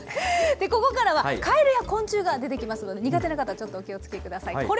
ここからは、カエルや昆虫が出てきますので、苦手な方はちょっとお気をつけください。